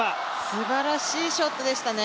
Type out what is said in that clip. すばらしいショットでしたね。